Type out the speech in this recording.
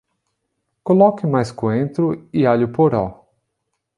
Coloque mais coentro e alho-poró